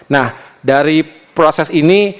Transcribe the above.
nah dari proses ini